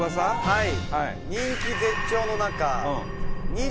はい。